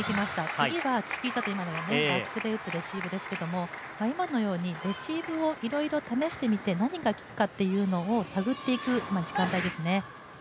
次はチキータ、バックで打つレシーブですけれども、今のようにレシーブをいろいろ試してみて何が効くかというのを探っていく時間帯ですね。